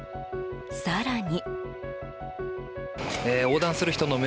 更に。